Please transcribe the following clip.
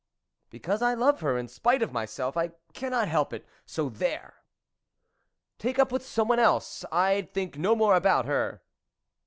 " Because I love her in spite of myself, I cannot help it, so there 1 "" Take up with some one else ; I'd think no more about her."